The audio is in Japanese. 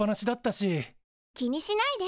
気にしないで。